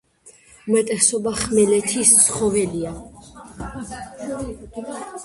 უმეტესობა ხმელეთის ცხოველია.